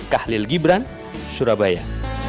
kah lil gibran surabaya